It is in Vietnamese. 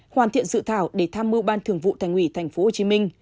hoàn thiện dự thảo để tham mưu ban thường vụ thành ủy tp hcm